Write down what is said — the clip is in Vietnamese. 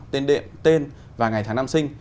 tên đệm tên và ngày tháng năm sinh